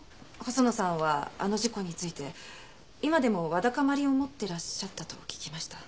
細野さんはあの事故について今でもわだかまりを持ってらっしゃったと聞きました。